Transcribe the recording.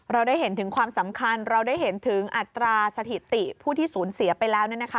เราได้เห็นถึงความสำคัญเราได้เห็นถึงอัตราสถิติผู้ที่สูญเสียไปแล้ว